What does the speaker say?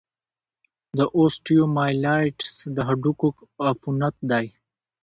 د اوسټیومایلايټس د هډوکو عفونت دی.